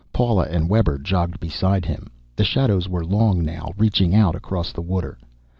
Paula and Webber jogged beside him. The shadows were long now, reaching out across the water.